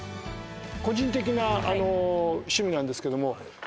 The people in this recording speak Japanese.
個人的な趣味なんですけども。